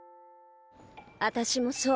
あたしもそう。